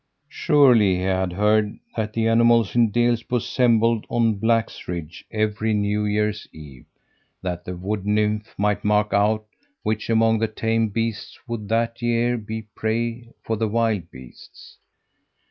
Surely he had heard that the animals in Delsbo assembled on Black's Ridge every New Year's Eve, that the Wood nymph might mark out which among the tame beasts would that year be prey for the wild beasts.